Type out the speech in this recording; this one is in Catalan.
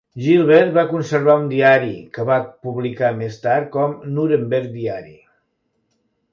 Gilbert va conservar un diari, que va publicar més tard com "Nuremberg Diary".